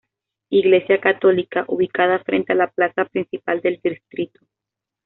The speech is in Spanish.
Iglesia Católica, ubicada frente a la Plaza Principal del Distrito.